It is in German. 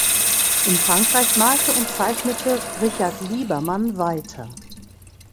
In Frankreich malte und zeichnete Richard Liebermann weiter.